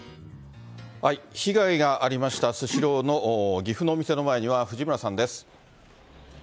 被害がありました、スシローの岐阜のお店の前には藤村さんです。